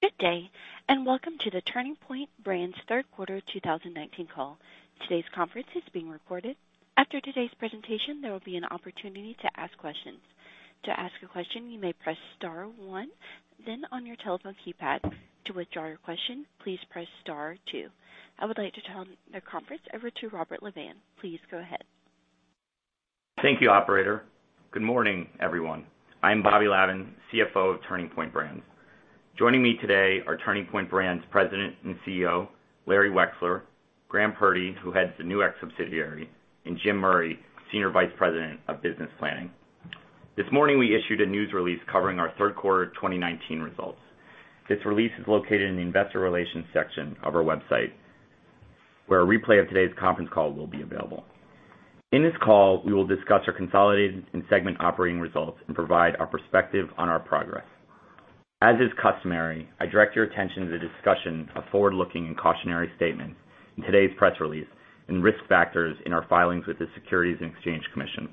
Good day, welcome to the Turning Point Brands' third quarter 2019 call. Today's conference is being recorded. After today's presentation, there will be an opportunity to ask questions. To ask a question, you may press star one on your telephone keypad. To withdraw your question, please press star two. I would like to turn the conference over to Robert Lavin. Please go ahead. Thank you, operator. Good morning, everyone. I'm Bobby Lavin, CFO of Turning Point Brands. Joining me today are Turning Point Brands President and CEO, Larry Wexler, Graham Purdy, who heads the Nu-X subsidiary, and Jim Murray, Senior Vice President of Business Planning. This morning we issued a news release covering our third quarter 2019 results. This release is located in the investor relations section of our website, where a replay of today's conference call will be available. In this call, we will discuss our consolidated and segment operating results and provide our perspective on our progress. As is customary, I direct your attention to the discussion of forward-looking and cautionary statements in today's press release and risk factors in our filings with the Securities and Exchange Commission.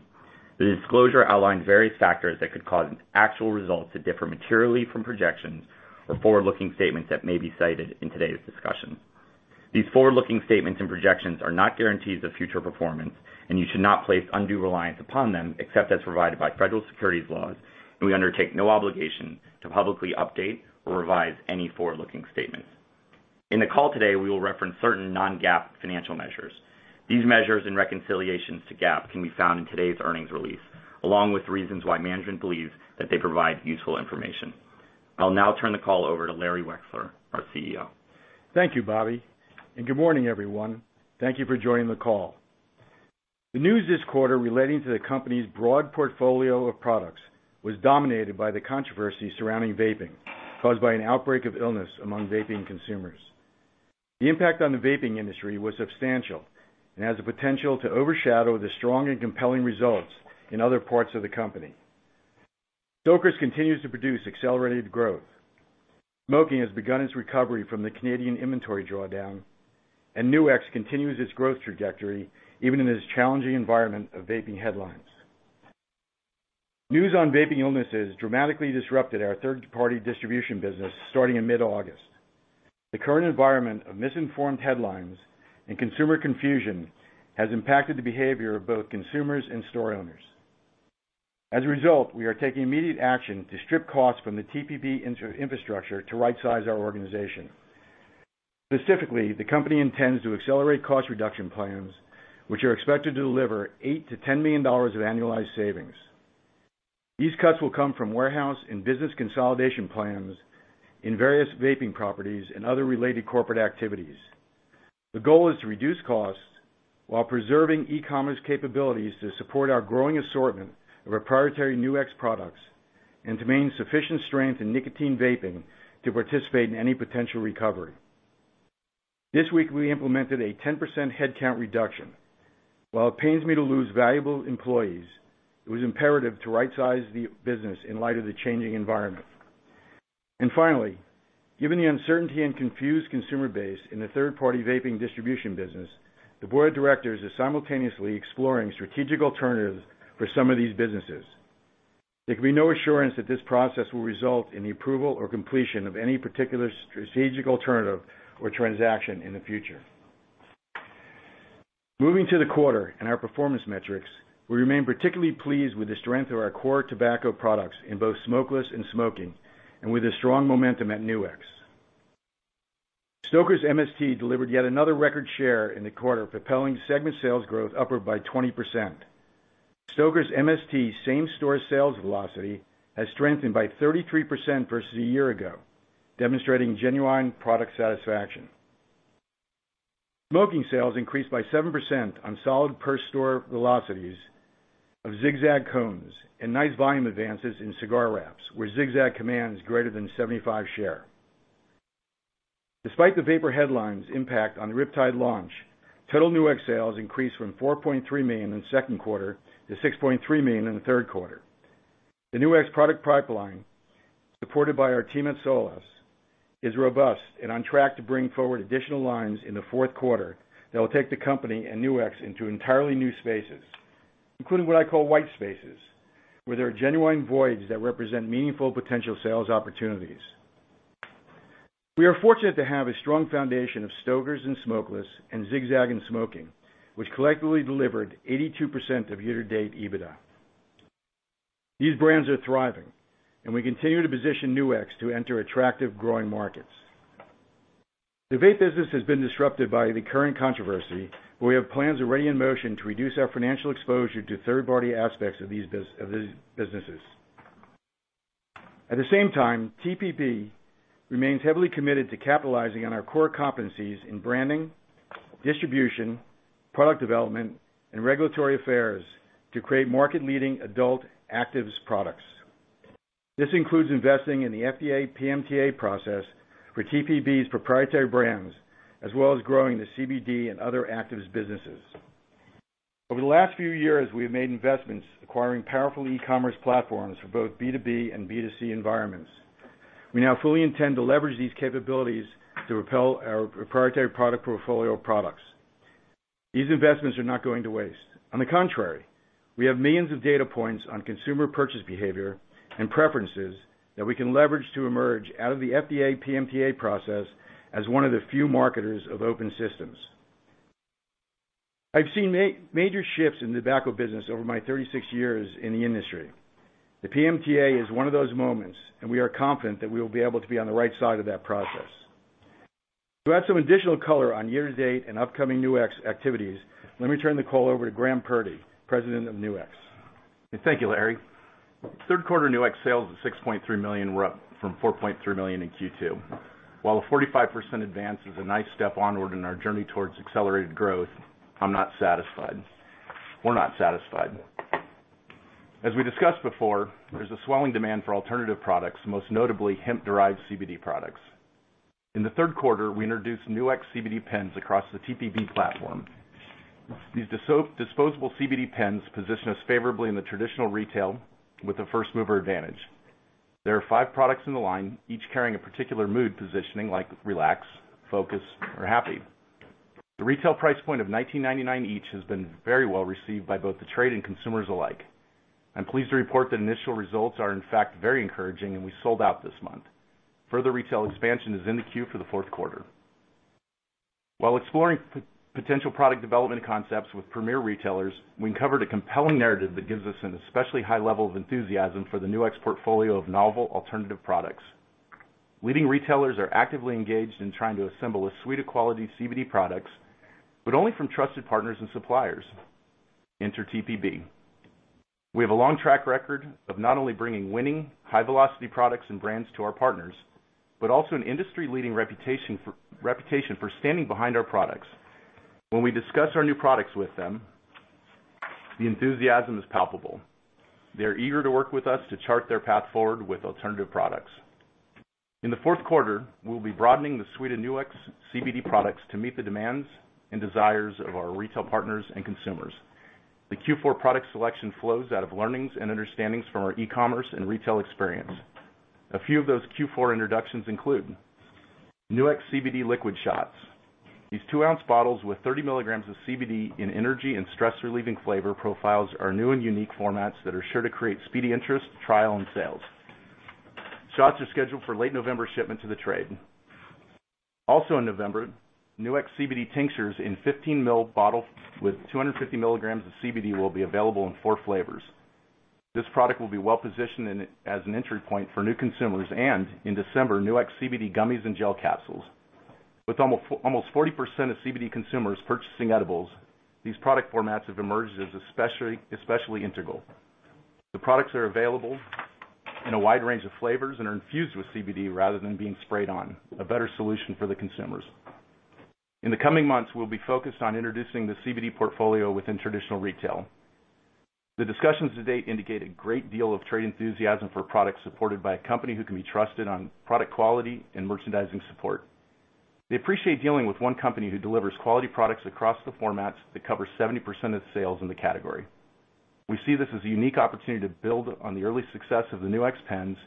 The disclosure outlines various factors that could cause actual results to differ materially from projections or forward-looking statements that may be cited in today's discussion. These forward-looking statements and projections are not guarantees of future performance, and you should not place undue reliance upon them except as provided by federal securities laws, and we undertake no obligation to publicly update or revise any forward-looking statements. In the call today, we will reference certain non-GAAP financial measures. These measures and reconciliations to GAAP can be found in today's earnings release, along with reasons why management believes that they provide useful information. I'll now turn the call over to Larry Wexler, our CEO. Thank you, Bobby. Good morning, everyone. Thank you for joining the call. The news this quarter relating to the company's broad portfolio of products was dominated by the controversy surrounding vaping caused by an outbreak of illness among vaping consumers. The impact on the vaping industry was substantial and has the potential to overshadow the strong and compelling results in other parts of the company. Stoker's continues to produce accelerated growth. Zig-Zag has begun its recovery from the Canadian inventory drawdown, and Nu-X continues its growth trajectory, even in this challenging environment of vaping headlines. News on vaping illnesses dramatically disrupted our third-party distribution business starting in mid-August. The current environment of misinformed headlines and consumer confusion has impacted the behavior of both consumers and store owners. As a result, we are taking immediate action to strip costs from the TPB infrastructure to right size our organization. Specifically, the company intends to accelerate cost reduction plans, which are expected to deliver $8 million-$10 million of annualized savings. These cuts will come from warehouse and business consolidation plans in various vaping properties and other related corporate activities. The goal is to reduce costs while preserving e-commerce capabilities to support our growing assortment of our proprietary Nu-X products and to maintain sufficient strength in nicotine vaping to participate in any potential recovery. This week, we implemented a 10% headcount reduction. While it pains me to lose valuable employees, it was imperative to right size the business in light of the changing environment. Finally, given the uncertainty and confused consumer base in the third-party vaping distribution business, the board of directors is simultaneously exploring strategic alternatives for some of these businesses. There can be no assurance that this process will result in the approval or completion of any particular strategic alternative or transaction in the future. Moving to the quarter and our performance metrics, we remain particularly pleased with the strength of our core tobacco products in both smokeless and smoking, and with the strong momentum at Nu-X. Stoker's MST delivered yet another record share in the quarter, propelling segment sales growth upward by 20%. Stoker's MST same-store sales velocity has strengthened by 33% versus a year ago, demonstrating genuine product satisfaction. Smoking sales increased by 7% on solid per store velocities of Zig-Zag cones and nice volume advances in cigar wraps, where Zig-Zag commands greater than 75% share. Despite the vapor headlines impact on the RipTide launch, total Nu-X sales increased from $4.3 million in the second quarter to $6.3 million in the third quarter. The Nu-X product pipeline, supported by our team at Solace, is robust and on track to bring forward additional lines in the fourth quarter that will take the company and Nu-X into entirely new spaces, including what I call white spaces, where there are genuine voids that represent meaningful potential sales opportunities. We are fortunate to have a strong foundation of Stoker's in smokeless and Zig-Zag in smoking, which collectively delivered 82% of year-to-date EBITDA. These brands are thriving. We continue to position Nu-X to enter attractive growing markets. The vape business has been disrupted by the current controversy, where we have plans already in motion to reduce our financial exposure to third-party aspects of these businesses. At the same time, TPB remains heavily committed to capitalizing on our core competencies in branding, distribution, product development, and regulatory affairs to create market-leading adult actives products. This includes investing in the FDA PMTA process for TPB's proprietary brands, as well as growing the CBD and other actives businesses. Over the last few years, we have made investments acquiring powerful e-commerce platforms for both B2B and B2C environments. We now fully intend to leverage these capabilities to propel our proprietary product portfolio of products. These investments are not going to waste. On the contrary, we have millions of data points on consumer purchase behavior and preferences that we can leverage to emerge out of the FDA PMTA process as one of the few marketers of open systems. I've seen major shifts in the tobacco business over my 36 years in the industry. The PMTA is one of those moments, we are confident that we will be able to be on the right side of that process. To add some additional color on year-to-date and upcoming new activities, let me turn the call over to Graham Purdy, President of New Ventures. Thank you, Larry. Third quarter Nu-X sales of $6.3 million were up from $4.3 million in Q2. While a 45% advance is a nice step onward in our journey towards accelerated growth, I'm not satisfied. We're not satisfied. As we discussed before, there's a swelling demand for alternative products, most notably hemp-derived CBD products. In the third quarter, we introduced Nu-X CBD pens across the TPB platform. These disposable CBD pens position us favorably in the traditional retail with a first-mover advantage. There are five products in the line, each carrying a particular mood positioning like relax, focus, or happy. The retail price point of $19.99 each has been very well-received by both the trade and consumers alike. I'm pleased to report that initial results are in fact very encouraging, and we sold out this month. Further retail expansion is in the queue for the fourth quarter. While exploring potential product development concepts with premier retailers, we uncovered a compelling narrative that gives us an especially high level of enthusiasm for the Nu-X portfolio of novel alternative products. Leading retailers are actively engaged in trying to assemble a suite of quality CBD products, but only from trusted partners and suppliers. Enter TPB. We have a long track record of not only bringing winning high-velocity products and brands to our partners, but also an industry-leading reputation for standing behind our products. When we discuss our new products with them, the enthusiasm is palpable. They're eager to work with us to chart their path forward with alternative products. In the fourth quarter, we'll be broadening the suite of Nu-X CBD products to meet the demands and desires of our retail partners and consumers. The Q4 product selection flows out of learnings and understandings from our e-commerce and retail experience. A few of those Q4 introductions include Nu-X CBD liquid shots. These two-ounce bottles with 30 milligrams of CBD in energy and stress-relieving flavor profiles are new and unique formats that are sure to create speedy interest, trial, and sales. Shots are scheduled for late November shipment to the trade. In November, Nu-X CBD tinctures in 15 mL bottle with 250 milligrams of CBD will be available in four flavors. This product will be well-positioned as an entry point for new consumers. In December, Nu-X CBD gummies and gel capsules. With almost 40% of CBD consumers purchasing edibles, these product formats have emerged as especially integral. The products are available in a wide range of flavors and are infused with CBD rather than being sprayed on, a better solution for the consumers. In the coming months, we'll be focused on introducing the CBD portfolio within traditional retail. The discussions to date indicate a great deal of trade enthusiasm for products supported by a company who can be trusted on product quality and merchandising support. They appreciate dealing with one company who delivers quality products across the formats that cover 70% of the sales in the category. We see this as a unique opportunity to build on the early success of the Nu-X pens,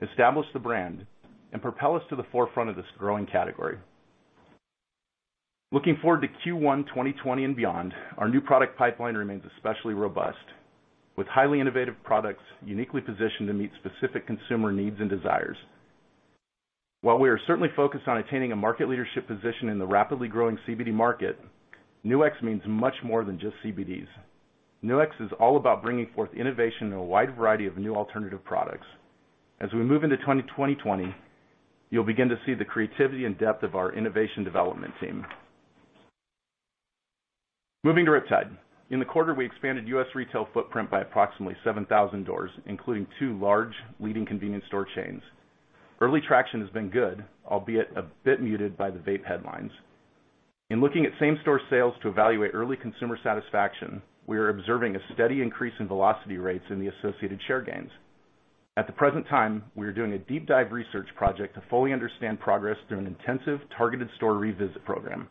establish the brand, and propel us to the forefront of this growing category. Looking forward to Q1 2020 and beyond, our new product pipeline remains especially robust, with highly innovative products uniquely positioned to meet specific consumer needs and desires. While we are certainly focused on attaining a market leadership position in the rapidly growing CBD market, Nu-X means much more than just CBDs. Nu-X is all about bringing forth innovation in a wide variety of new alternative products. As we move into 2020, you'll begin to see the creativity and depth of our innovation development team. Moving to RipTide. In the quarter, we expanded U.S. retail footprint by approximately 7,000 doors, including two large leading convenience store chains. Early traction has been good, albeit a bit muted by the vape headlines. In looking at same-store sales to evaluate early consumer satisfaction, we are observing a steady increase in velocity rates in the associated share gains. At the present time, we are doing a deep dive research project to fully understand progress through an intensive targeted store revisit program.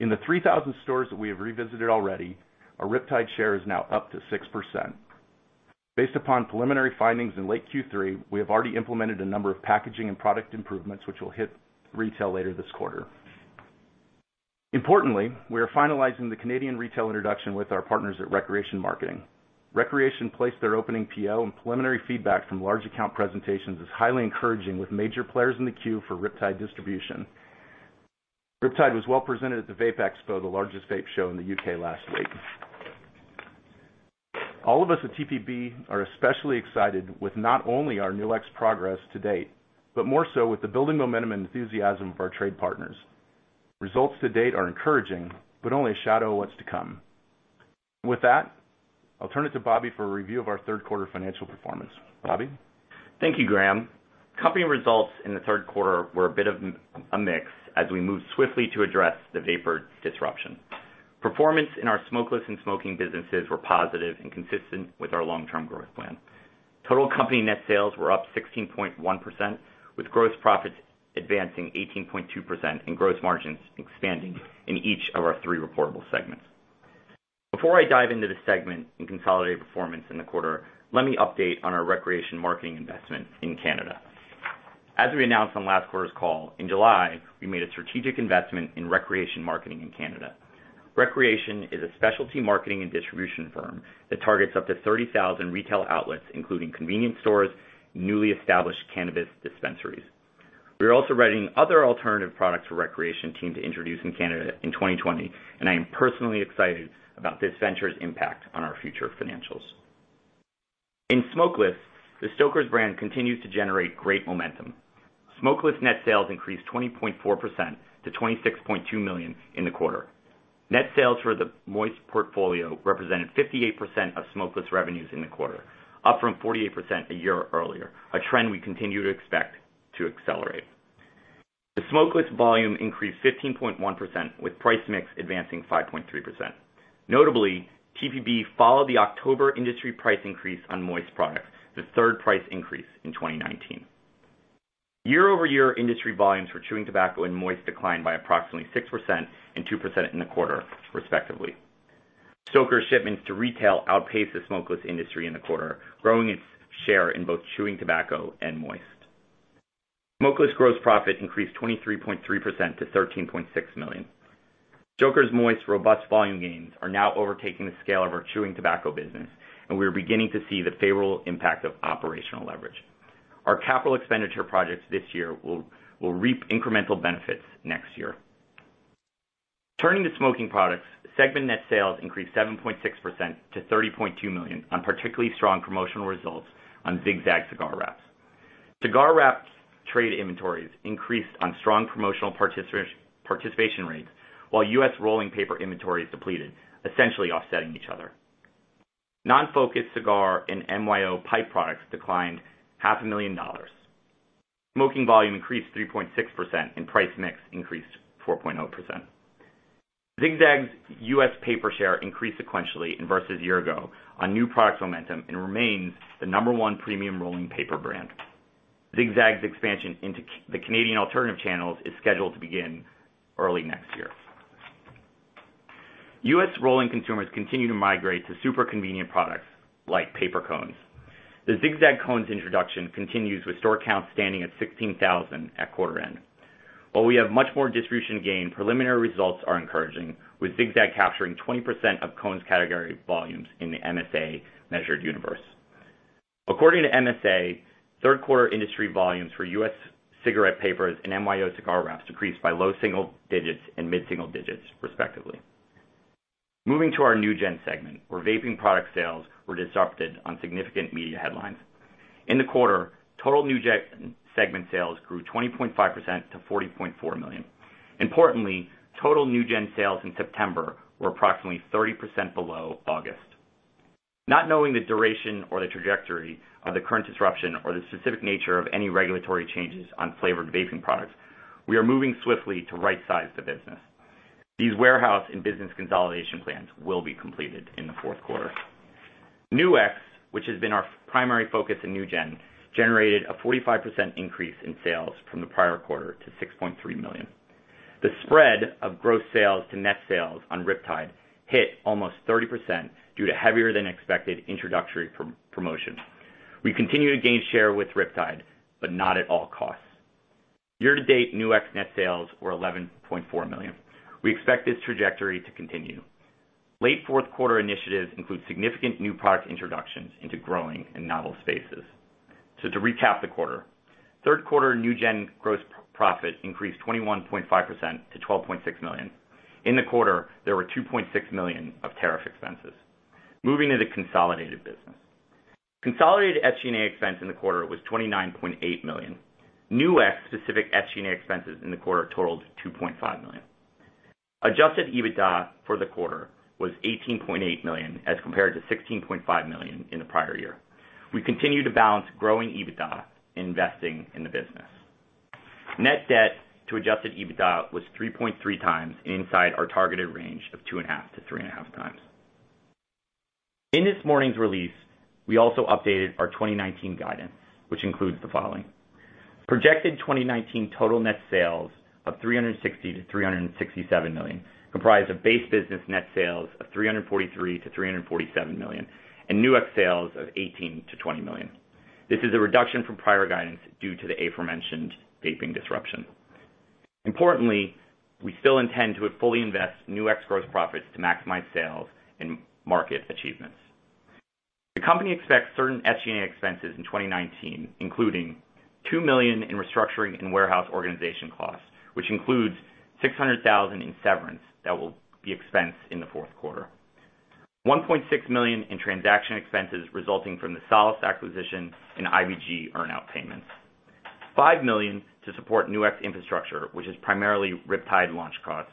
In the 3,000 stores that we have revisited already, our RipTide share is now up to 6%. Based upon preliminary findings in late Q3, we have already implemented a number of packaging and product improvements, which will hit retail later this quarter. We are finalizing the Canadian retail introduction with our partners at ReCreation Marketing. ReCreation placed their opening PO, preliminary feedback from large account presentations is highly encouraging with major players in the queue for RipTide distribution. RipTide was well presented at the Vaper Expo UK, the largest vape show in the U.K. last week. All of us at TPB are especially excited with not only our Nu-X progress to date, more so with the building momentum and enthusiasm of our trade partners. Results to date are encouraging, only a shadow of what's to come. With that, I'll turn it to Bobby for a review of our third quarter financial performance. Bobby? Thank you, Graham. Company results in the third quarter were a bit of a mix as we moved swiftly to address the vaper disruption. Performance in our smokeless and smoking businesses were positive and consistent with our long-term growth plan. Total company net sales were up 16.1%, with gross profits advancing 18.2% and gross margins expanding in each of our three reportable segments. Before I dive into the segment and consolidated performance in the quarter, let me update on our ReCreation Marketing investment in Canada. As we announced on last quarter's call, in July, we made a strategic investment in ReCreation Marketing in Canada. ReCreation is a specialty marketing and distribution firm that targets up to 30,000 retail outlets, including convenience stores and newly established cannabis dispensaries. We are also vetting other alternative products for ReCreation Marketing to introduce in Canada in 2020. I am personally excited about this venture's impact on our future financials. In smokeless, the Stoker's brand continues to generate great momentum. Smokeless net sales increased 20.4% to $26.2 million in the quarter. Net sales for the moist portfolio represented 58% of smokeless revenues in the quarter, up from 48% a year earlier, a trend we continue to expect to accelerate. The smokeless volume increased 15.1%, with price mix advancing 5.3%. Notably, TPB followed the October industry price increase on moist products, the third price increase in 2019. Year-over-year industry volumes for chewing tobacco and moist declined by approximately 6% and 2% in the quarter, respectively. Stoker's shipments to retail outpaced the smokeless industry in the quarter, growing its share in both chewing tobacco and moist. Smokeless gross profit increased 23.3% to $13.6 million. Stoker's moist, robust volume gains are now overtaking the scale of our chewing tobacco business, and we are beginning to see the favorable impact of operational leverage. Our capital expenditure projects this year will reap incremental benefits next year. Turning to smoking products, segment net sales increased 7.6% to $30.2 million on particularly strong promotional results on Zig-Zag cigar wraps. Cigar wraps trade inventories increased on strong promotional participation rates, while U.S. rolling paper inventories depleted, essentially offsetting each other. Non-focused cigar and MYO pipe products declined half a million dollars. Smoking volume increased 3.6%, and price mix increased 4.0%. Zig-Zag's U.S. paper share increased sequentially and versus year ago on new product momentum and remains the number one premium rolling paper brand. Zig-Zag's expansion into the Canadian alternative channels is scheduled to begin early next year. U.S. rolling consumers continue to migrate to super convenient products like paper cones. The Zig-Zag cones introduction continues with store count standing at 16,000 at quarter end. While we have much more distribution gain, preliminary results are encouraging, with Zig-Zag capturing 20% of cones category volumes in the MSA measured universe. According to MSA, third quarter industry volumes for U.S. cigarette papers and MYO cigar wraps decreased by low single digits and mid-single digits, respectively. Moving to our New Gen segment, where vaping product sales were disrupted on significant media headlines. In the quarter, total New Gen segment sales grew 20.5% to $40.4 million. Importantly, total New Gen sales in September were approximately 30% below August. Not knowing the duration or the trajectory of the current disruption or the specific nature of any regulatory changes on flavored vaping products, we are moving swiftly to right size the business. These warehouse and business consolidation plans will be completed in the fourth quarter. Nu-X, which has been our primary focus in New Gen, generated a 45% increase in sales from the prior quarter to $6.3 million. The spread of gross sales to net sales on RipTide hit almost 30% due to heavier than expected introductory promotion. We continue to gain share with RipTide, but not at all costs. Year to date, Nu-X net sales were $11.4 million. We expect this trajectory to continue. Late fourth quarter initiatives include significant new product introductions into growing and novel spaces. To recap the quarter, third quarter New Gen gross profit increased 21.5% to $12.6 million. In the quarter, there were $2.6 million of tariff expenses. Moving to the consolidated business. Consolidated SG&A expense in the quarter was $29.8 million. Nu-X specific SG&A expenses in the quarter totaled $2.5 million. Adjusted EBITDA for the quarter was $18.8 million as compared to $16.5 million in the prior year. We continue to balance growing EBITDA, investing in the business. Net debt to adjusted EBITDA was 3.3 times inside our targeted range of 2.5-3.5 times. In this morning's release, we also updated our 2019 guidance, which includes the following. Projected 2019 total net sales of $360 million-$367 million, comprised of base business net sales of $343 million-$347 million and Nu-X sales of $18 million-$20 million. This is a reduction from prior guidance due to the aforementioned vaping disruption. Importantly, we still intend to fully invest Nu-X gross profits to maximize sales and market achievements. The company expects certain SG&A expenses in 2019, including $2 million in restructuring and warehouse organization costs, which includes $600,000 in severance that will be expensed in the fourth quarter. $1.6 million in transaction expenses resulting from the Solace acquisition and IVG earn out payments. $5 million to support Nu-X infrastructure, which is primarily RipTide launch costs.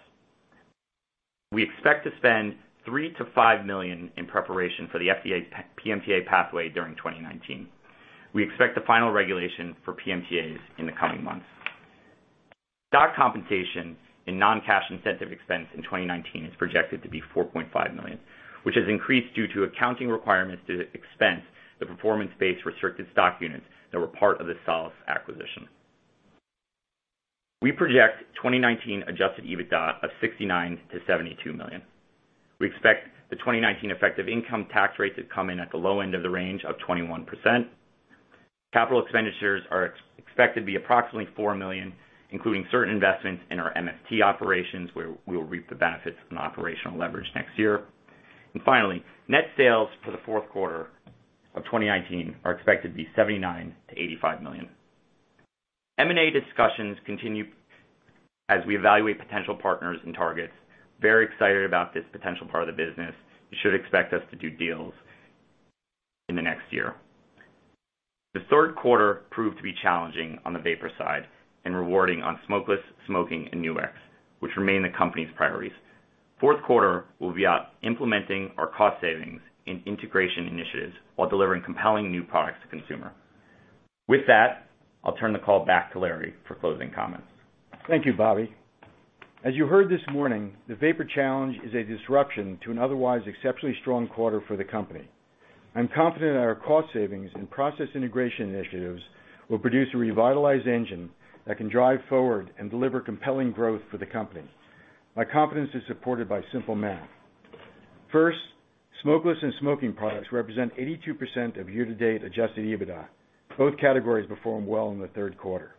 We expect to spend $3 million-$5 million in preparation for the FDA PMTA pathway during 2019. We expect the final regulation for PMTAs in the coming months. Stock compensation and non-cash incentive expense in 2019 is projected to be $4.5 million, which has increased due to accounting requirements to expense the performance-based restricted stock units that were part of the Solace acquisition. We project 2019 adjusted EBITDA of $69 million-$72 million. We expect the 2019 effective income tax rate to come in at the low end of the range of 21%. Capital expenditures are expected to be approximately $4 million, including certain investments in our MST operations, where we'll reap the benefits of an operational leverage next year. Finally, net sales for the fourth quarter of 2019 are expected to be $79 million-$85 million. M&A discussions continue as we evaluate potential partners and targets. Very excited about this potential part of the business. You should expect us to do deals in the next year. The third quarter proved to be challenging on the vapor side and rewarding on smokeless, smoking, and Nu-X, which remain the company's priorities. Fourth quarter, we'll be out implementing our cost savings and integration initiatives while delivering compelling new products to consumer. With that, I'll turn the call back to Larry for closing comments. Thank you, Bobby. As you heard this morning, the vapor challenge is a disruption to an otherwise exceptionally strong quarter for the company. I'm confident that our cost savings and process integration initiatives will produce a revitalized engine that can drive forward and deliver compelling growth for the company. My confidence is supported by simple math. First, smokeless and smoking products represent 82% of year-to-date adjusted EBITDA. Both categories performed well in the third quarter.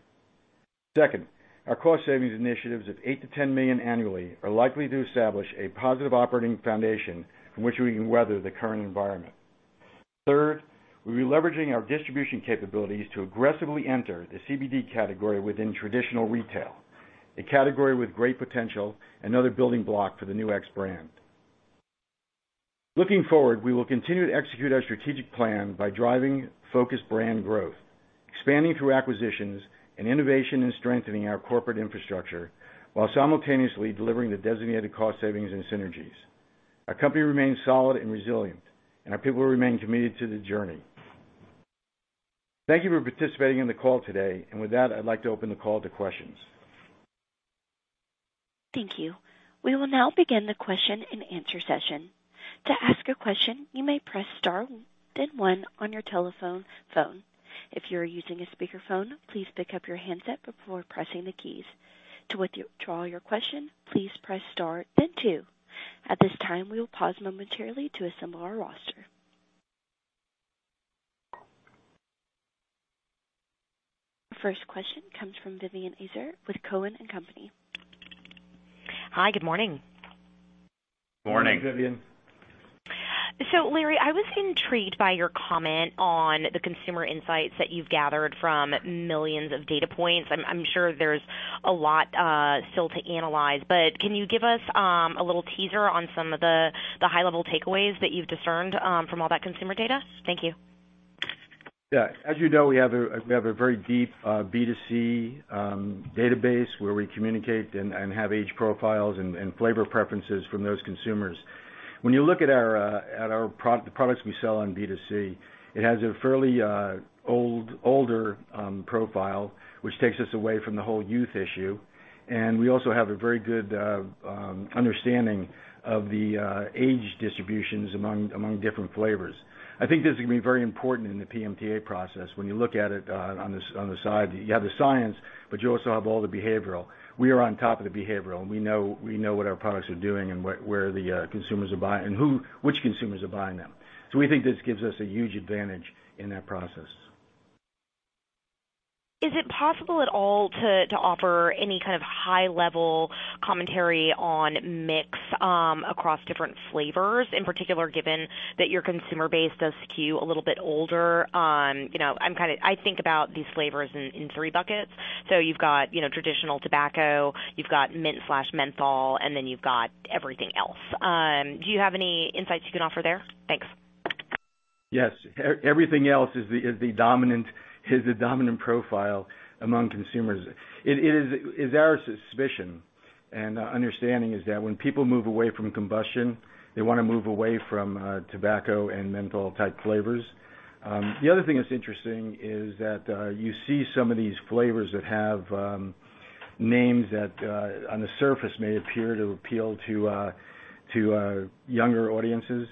Second, our cost savings initiatives of $8 million-$10 million annually are likely to establish a positive operating foundation from which we can weather the current environment. Third, we'll be leveraging our distribution capabilities to aggressively enter the CBD category within traditional retail, a category with great potential, another building block for the Nu-X brand. Looking forward, we will continue to execute our strategic plan by driving focused brand growth, expanding through acquisitions, and innovation and strengthening our corporate infrastructure while simultaneously delivering the designated cost savings and synergies. Our company remains solid and resilient, and our people remain committed to the journey. Thank you for participating in the call today. With that, I'd like to open the call to questions. Thank you. We will now begin the question and answer session. To ask a question, you may press star then 1 on your telephone phone. If you're using a speakerphone, please pick up your handset before pressing the keys. To withdraw your question, please press star then 2. At this time, we will pause momentarily to assemble our roster. First question comes from Vivien Azer with Cowen and Company. Hi, good morning. Morning. Morning, Vivien. Larry, I was intrigued by your comment on the consumer insights that you've gathered from millions of data points. I'm sure there's a lot still to analyze, but can you give us a little teaser on some of the high level takeaways that you've discerned from all that consumer data? Thank you. Yeah. As you know, we have a very deep B2C database where we communicate and have age profiles and flavor preferences from those consumers. When you look at the products we sell on B2C, it has a fairly older profile, which takes us away from the whole youth issue. We also have a very good understanding of the age distributions among different flavors. I think this is going to be very important in the PMTA process. When you look at it on the side, you have the science, but you also have all the behavioral. We are on top of the behavioral, and we know what our products are doing, and which consumers are buying them. We think this gives us a huge advantage in that process. Is it possible at all to offer any kind of high-level commentary on mix across different flavors, in particular, given that your consumer base does skew a little bit older? I think about these flavors in three buckets. You've got traditional tobacco, you've got mint/menthol, you've got everything else. Do you have any insights you can offer there? Thanks. Yes. Everything else is the dominant profile among consumers. It is our suspicion and understanding is that when people move away from combustion, they want to move away from tobacco and menthol type flavors. The other thing that's interesting is that you see some of these flavors that have names that, on the surface may appear to appeal to younger audiences.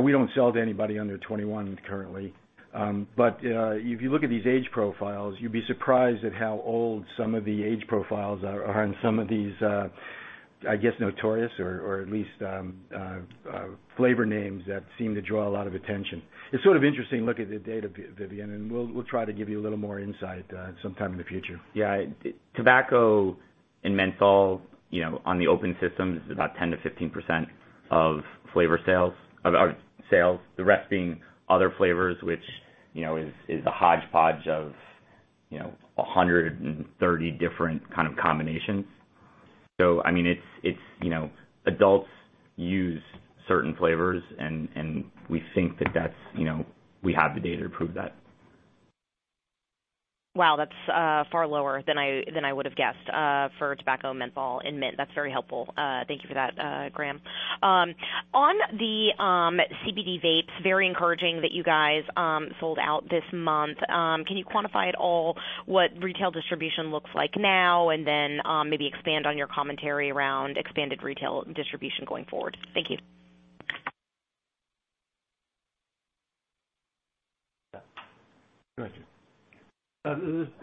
We don't sell to anybody under 21 currently. If you look at these age profiles, you'd be surprised at how old some of the age profiles are on some of these, I guess, notorious or at least flavor names that seem to draw a lot of attention. It's sort of interesting to look at the data, Vivien, and we'll try to give you a little more insight sometime in the future. Yeah. Tobacco and menthol on the open system is about 10%-15% of sales, the rest being other flavors, which is a hodgepodge of 130 different kind of combinations. Adults use certain flavors, and we think that we have the data to prove that. Wow, that's far lower than I would've guessed for tobacco and menthol. That's very helpful. Thank you for that, Graham. On the CBD vapes, very encouraging that you guys sold out this month. Can you quantify at all what retail distribution looks like now, and then maybe expand on your commentary around expanded retail distribution going forward? Thank you. Gotcha.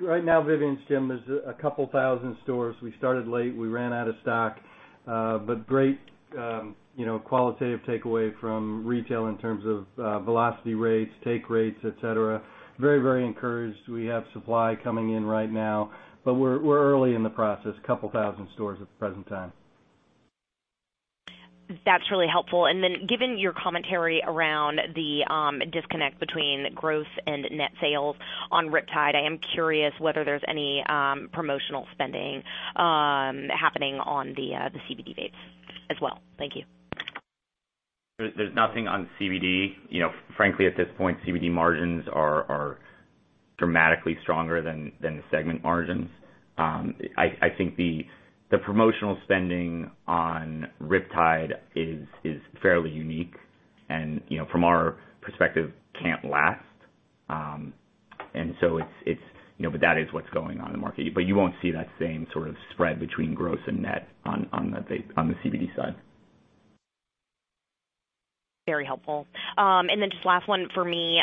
Right now, Vivien, Jim, there's a couple thousand stores. We started late, we ran out of stock. Great qualitative takeaway from retail in terms of velocity rates, take rates, et cetera. Very encouraged. We have supply coming in right now, but we're early in the process, a couple thousand stores at the present time. That's really helpful. Given your commentary around the disconnect between growth and net sales on RipTide, I am curious whether there's any promotional spending happening on the CBD vapes as well. Thank you. There's nothing on CBD. Frankly, at this point, CBD margins are dramatically stronger than the segment margins. I think the promotional spending on RipTide is fairly unique and, from our perspective, can't last. That is what's going on in the market. You won't see that same sort of spread between gross and net on the CBD side. Very helpful. Just last one for me.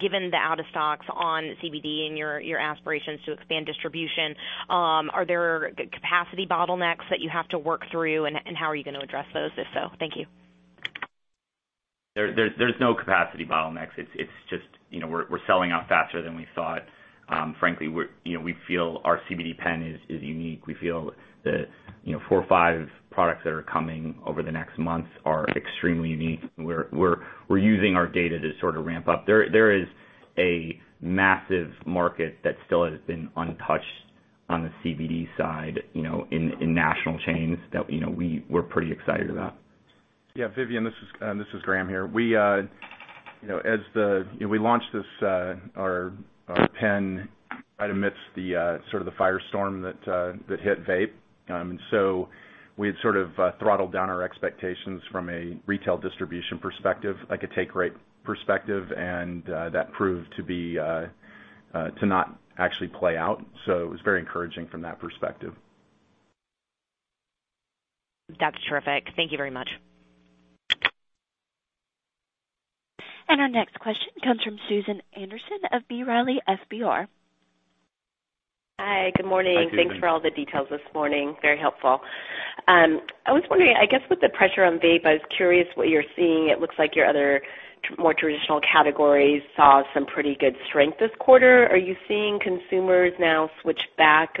Given the out of stocks on CBD and your aspirations to expand distribution, are there capacity bottlenecks that you have to work through and how are you going to address those, if so? Thank you. There's no capacity bottlenecks. It's just we're selling out faster than we thought. Frankly, we feel our CBD pen is unique. We feel the four or five products that are coming over the next months are extremely unique, and we're using our data to sort of ramp up. There is a massive market that still has been untouched on the CBD side, in national chains that we're pretty excited about. Yeah, Vivien, this is Graham here. We launched our pen right amidst the sort of the firestorm that hit vape. We had sort of throttled down our expectations from a retail distribution perspective, like a take rate perspective, and that proved to not actually play out. It was very encouraging from that perspective. That's terrific. Thank you very much. Our next question comes from Susan Anderson of B. Riley FBR. Hi, good morning. Hi, Susan. Thanks for all the details this morning. Very helpful. I was wondering, I guess with the pressure on vape, I was curious what you're seeing. It looks like your other more traditional categories saw some pretty good strength this quarter. Are you seeing consumers now switch back?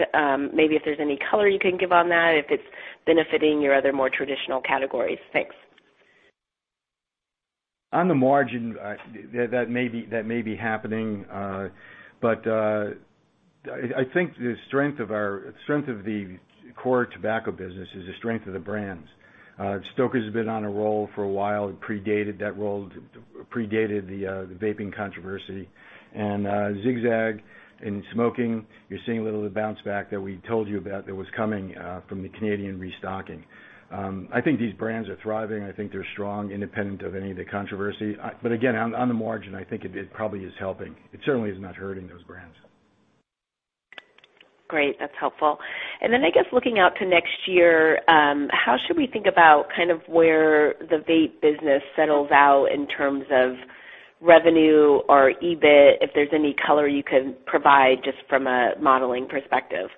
Maybe if there's any color you can give on that, if it's benefiting your other, more traditional categories. Thanks. On the margin, that may be happening. I think the strength of the core tobacco business is the strength of the brands. Stoker's has been on a roll for a while. It predated that roll, predated the vaping controversy. Zig-Zag in smoking, you're seeing a little of the bounce back that we told you about that was coming from the Canadian restocking. I think these brands are thriving. I think they're strong, independent of any of the controversy. Again, on the margin, I think it probably is helping. It certainly is not hurting those brands. Great. That's helpful. I guess looking out to next year, how should we think about kind of where the vape business settles out in terms of revenue or EBIT, if there's any color you can provide just from a modeling perspective?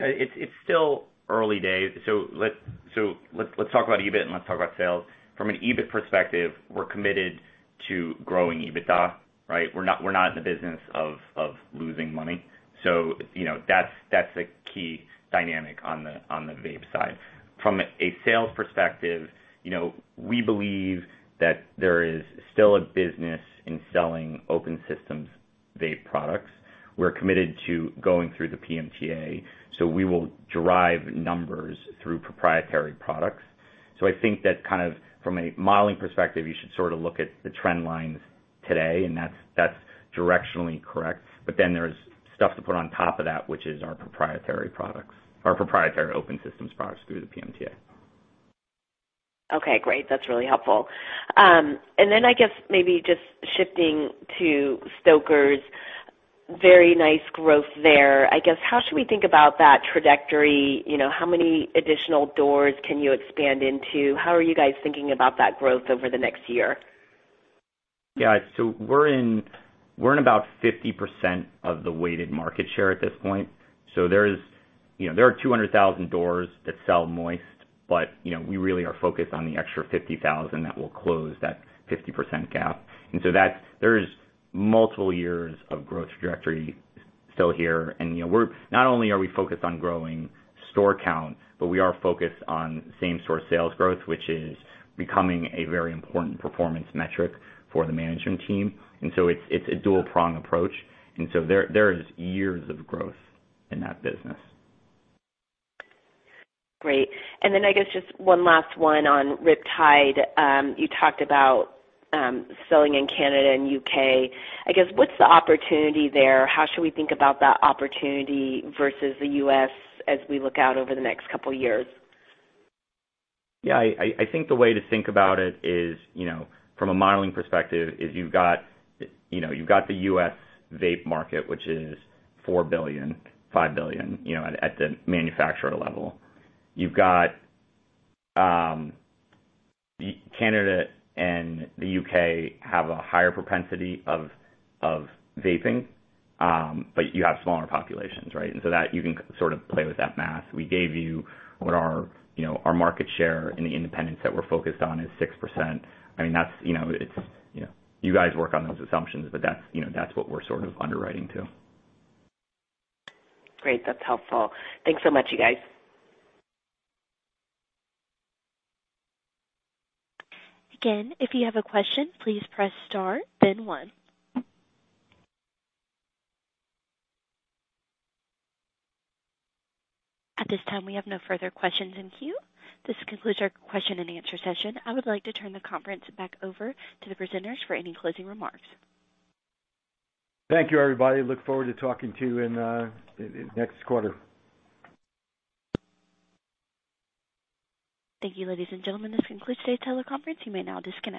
It's still early days. Let's talk about EBIT, and let's talk about sales. From an EBIT perspective, we're committed to growing EBITDA, right? We're not in the business of losing money. That's the key dynamic on the vape side. From a sales perspective, we believe that there is still a business in selling open systems vape products. We're committed to going through the PMTA, we will drive numbers through proprietary products. I think that kind of from a modeling perspective, you should sort of look at the trend lines today, that's directionally correct. There's stuff to put on top of that, which is our proprietary products, our proprietary open systems products through the PMTA. Okay, great. That's really helpful. I guess maybe just shifting to Stoker's, very nice growth there. I guess, how should we think about that trajectory? How many additional doors can you expand into? How are you guys thinking about that growth over the next year? Yeah. We're in about 50% of the weighted market share at this point. There are 200,000 doors that sell moist, we really are focused on the extra 50,000 that will close that 50% gap. There's multiple years of growth trajectory still here. Not only are we focused on growing store count, we are focused on same store sales growth, which is becoming a very important performance metric for the management team. It's a dual prong approach. There is years of growth in that business. Great. I guess just one last one on RipTide. You talked about selling in Canada and U.K. What's the opportunity there? How should we think about that opportunity versus the U.S. as we look out over the next couple of years? Yeah, I think the way to think about it is, from a modeling perspective, is you've got the U.S. vape market, which is $4 billion-$5 billion, at the manufacturer level. You've got Canada and the U.K. have a higher propensity of vaping, but you have smaller populations, right? That you can sort of play with that math. We gave you what our market share in the independents that we're focused on is 6%. You guys work on those assumptions, that's what we're sort of underwriting to. Great. That's helpful. Thanks so much, you guys. Again, if you have a question, please press star then one. At this time, we have no further questions in queue. This concludes our question and answer session. I would like to turn the conference back over to the presenters for any closing remarks. Thank you, everybody. Look forward to talking to you next quarter. Thank you, ladies and gentlemen. This concludes today's teleconference. You may now disconnect.